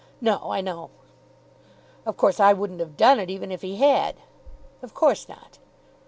"No, I know." "Of course, I wouldn't have done it, even if he had." "Of course not."